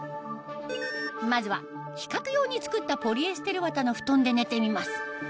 まずは比較用に作ったポリエステル綿の布団で寝てみます